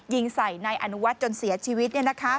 ยิงใส่ในอนุวัติจนเสียชีวิต